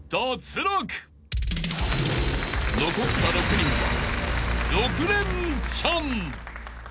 ［残った６人は］